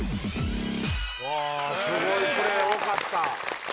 すごいプレー多かった！